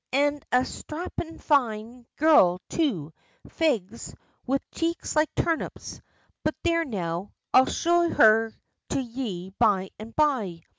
An' a sthrappin' fine girl too, fegs, wid cheeks like turnips. But there, now, I'll show her to ye by and by.